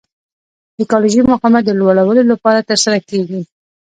ایکالوژیکي مقاومت د لوړلولو لپاره ترسره کیږي.